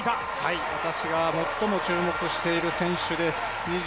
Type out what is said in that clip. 私が最も注目している選手です。